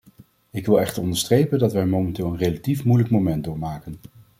Ik wil echter onderstrepen dat wij momenteel een relatief moeilijk moment doormaken.